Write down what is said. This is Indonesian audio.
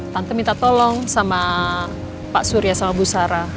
tante minta tolong sama pak surya sama bu sarah